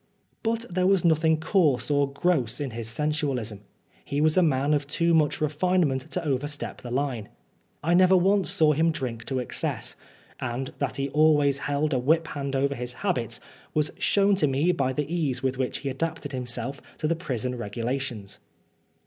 But there was nothing coarse or gross in his sensualism. He was a man of too much refinement to overstep the line. I never once saw him drink to excess ; and that he always held a whiphand over his habits was shown to me by the ease with which he adapted himself to the prison regulations.